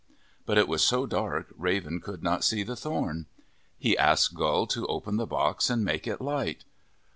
But it was so dark Raven could not see the thorn. He asked Gull to open the box and make it light.